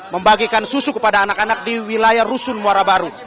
membagikan susu kepada anak anak di wilayah rusun muara baru